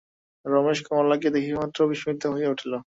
রমেশ কমলাকে দেখিবামাত্র বিস্মিত হইয়া উঠিল।